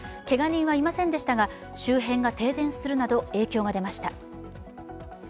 けが人はいませんでしたが、周辺が停電するなど影響が出ました。